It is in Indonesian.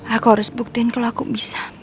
aku harus buktiin kalau aku bisa